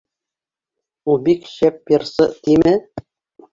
Ул бик шәп йырсы тиме?